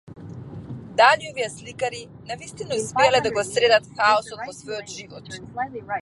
Дали овие сликари навистина успеале да го средат хаосот во својот живот?